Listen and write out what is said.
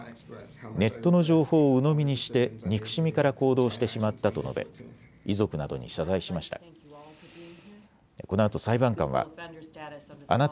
ネットの情報をうのみにして憎しみから行動してしまったと述べ遺族などに謝罪しました。